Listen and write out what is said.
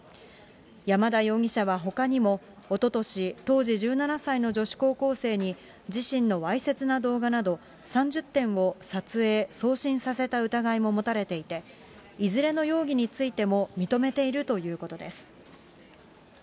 山田容疑者はほかにも、おととし、当時１７歳の女子高校生に自身のわいせつな動画など、３０点を撮影・送信させた疑いも持たれていて、いずれの容疑についても認めているということです。